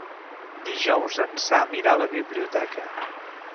Dijous en Sam irà a la biblioteca.